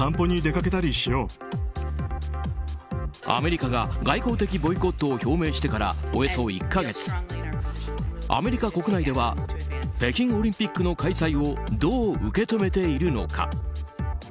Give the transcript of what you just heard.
アメリカが外交的ボイコットを表明してからおよそ１か月アメリカ国内では北京オリンピックの開催をどう受け止めているのか。